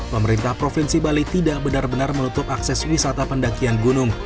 pemerintah provinsi bali tidak benar benar menutup akses wisata pendakian gunung